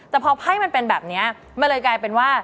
แต่พอไพ่มันเป็นแบบนี้มันเลยกลายเป็นว่า